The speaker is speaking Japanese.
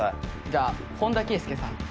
じゃあ本田圭佑さん。